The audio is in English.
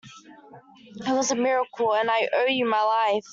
It was a miracle, and I owe you my life.